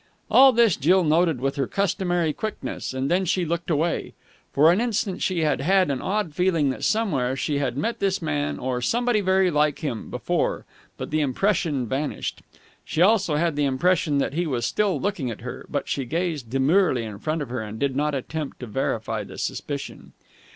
All this Jill noted with her customary quickness, and then she looked away. For an instant she had had an odd feeling that somewhere she had met this man or somebody very like him before, but the impression vanished. She also had the impression that he was still looking at her, but she gazed demurely in front of her and did not attempt to verify the suspicion.